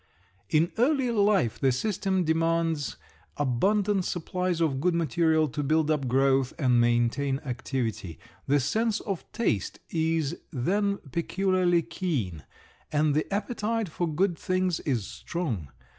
In early life the system demands abundant supplies of good material to build up growth and maintain activity. The sense of taste is then peculiarly keen, and the appetite for good things is strong.